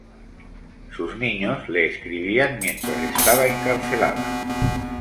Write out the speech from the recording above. Sus niños le escribían mientras estaba encarcelada.